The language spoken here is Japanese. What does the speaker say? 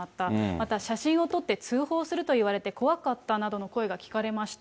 また写真を撮って通報すると言われて怖かったなどの声が聞かれました。